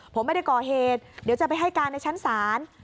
ผมไม่ได้ก่อเหตุเดี๋ยวจะไปให้การในชั้นศาล